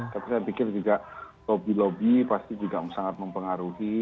tapi saya pikir juga lobby lobby pasti juga sangat mempengaruhi